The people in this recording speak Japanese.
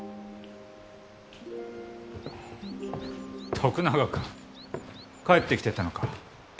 徳永君帰ってきてたのか。